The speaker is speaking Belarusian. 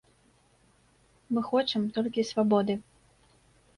Мы хочам толькі свабоды.